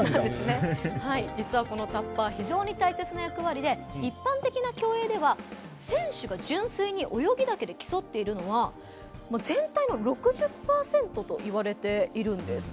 実はこのタッパー非常に重要な役割で一般的な競泳では、選手が純粋に泳ぎだけで競っているのは全体の６０％といわれているんです。